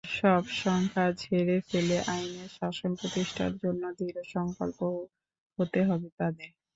সব শঙ্কা ঝেড়ে ফেলে আইনের শাসন প্রতিষ্ঠার জন্য দৃঢ়সংকল্প হতে হবে তাদের।